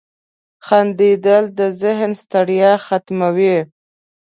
• خندېدل د ذهن ستړیا ختموي.